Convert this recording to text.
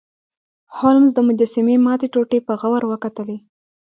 هولمز د مجسمې ماتې ټوټې په غور وکتلې.